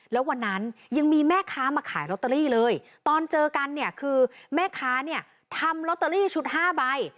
แล้ววันนั้นยังมีแม่ค้ามาขายลอตเตอรี่เลยตอนเจอกันเนี่ยคือแม่ค้าเนี่ยทำลอตเตอรี่ชุด๕ใบ